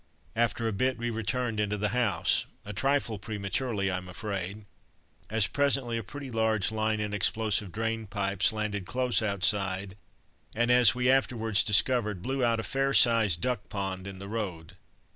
After a bit we returned into the house a trifle prematurely, I'm afraid as presently a pretty large line in explosive drainpipes landed close outside, and, as we afterwards discovered, blew out a fair sized duck pond in the road.